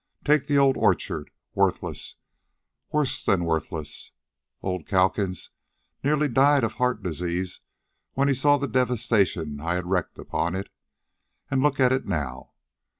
Take the old orchard. Worthless! Worse than worthless! Old Calkins nearly died of heart disease when he saw the devastation I had wreaked upon it. And look at it now.